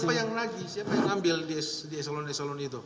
siapa yang lagi siapa yang ambil di s satu itu